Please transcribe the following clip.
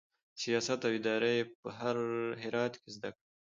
سیاست او اداره یې په هرات کې زده کړه.